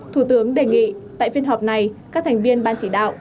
thủ tướng đề nghị tại phiên họp này các thành viên ban chỉ đạo